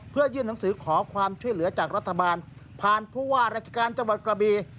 เพื่อยื่นหนังสือขอความช่วยเหลือจากรัฐบาลผ่านผู้ว่าราชการจังหวัดกระบี